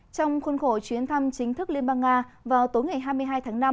trong khuôn khổ chuyến thăm chính thức liên bang nga vào tối ngày hai mươi hai tháng năm